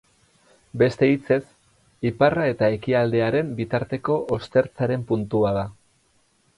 Beste hitzez, iparra eta ekialdearen bitarteko ostertzaren puntua da.